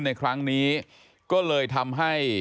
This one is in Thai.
ในครั้งนี้ก็เลยทำให้